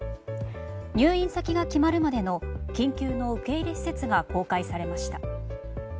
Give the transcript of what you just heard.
入院先が決まるまでの緊急の受け入れ施設が公開されました。